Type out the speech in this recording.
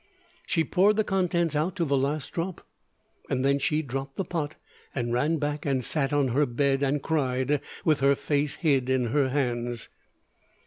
She poured the contents out to the last drop, and then she dropped the pot, and ran back and sat on her bed and cried, with her face hid in her hands.